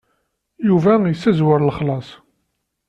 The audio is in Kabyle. Yuba yessezwer lexlaṣ.